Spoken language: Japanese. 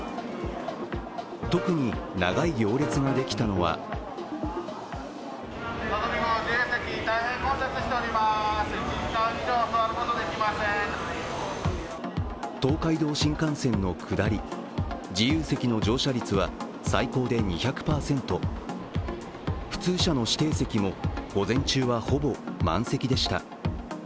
特に長い行列ができたのは東海道新幹線の下り、自由席の乗車率は最高で２００％、普通車の指定席も午前中は、ほぼ満席でした。